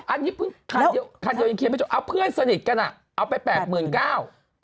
อันนี้คันเดียวยังเคลียร์ไม่จบเอาเพื่อนสนิทกันอ่ะเอาไป๘๙๐๐๐บาท